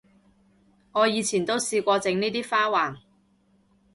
我以前都試過整呢啲花環